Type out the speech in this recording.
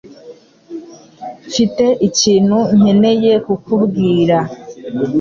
Mfite ikintu nkeneye kukubwira